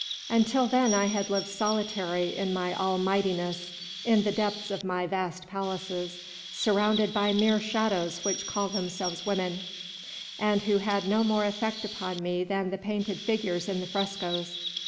Until then I had lived solitary in my almightiness, in the depths of my vast palaces, surrounded by mere shadows which called themselves women, and who had no more effect upon me than the painted figures in the frescoes.